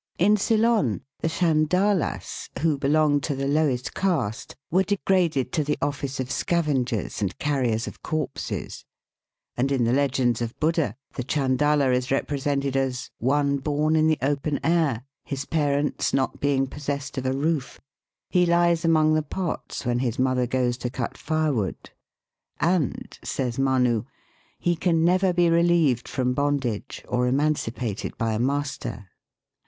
In Ceylon, the Chandalas, who belonged to the lowest caste, were degraded to the office of scavengers and carriers of corpses ; and in the legends of Buddha, the chandala is represented as " one born in the open air, his parents not being possessed of a roof; he lies among the pots when his mother goes to cut firewood," and, says Manu, " he can never be relieved from bondage or emancipated by a master."